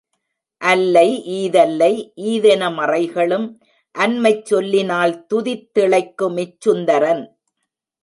அல்லை ஈதல்லை ஈதென மறைகளும் அன்மைச் சொல்லி னால்துதித் திளைக்குமிச் சுந்தரன்.